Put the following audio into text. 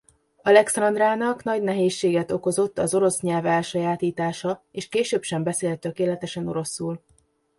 Alekszandrának nagy nehézséget okozott az orosz nyelv elsajátítása és később sem beszélt tökéletesen oroszul.